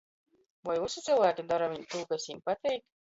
Voi vysi cylvāki dora viņ tū, kas jim pateik?